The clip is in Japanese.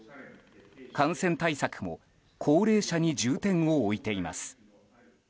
感染対策も高齢者に重点を置いています。